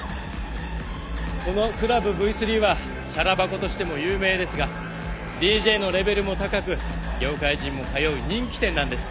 このクラブＶ３はチャラ箱としても有名ですがＤＪのレベルも高く業界人も通う人気店なんです。